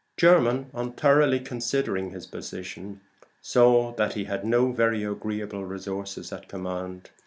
Jermyn, on thoroughly considering his position, saw that he had no very agreeable resources at command.